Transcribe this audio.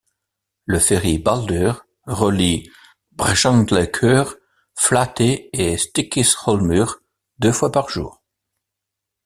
Le ferry Baldur relie Brjánslækur, Flatey et Stykkishólmur deux fois par jour.